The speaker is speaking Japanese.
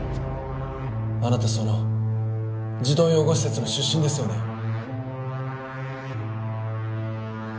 あなたその児童養護施設の出身ですよね？